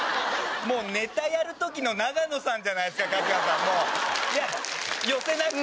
もうネタやる時の永野さんじゃないですか春日さん。いや寄せなくていいです。